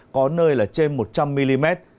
có nơi là trên một trăm linh mm